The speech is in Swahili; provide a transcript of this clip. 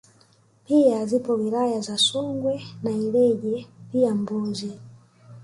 pia zipo wilaya za Songwe na Ileje pia Mbozi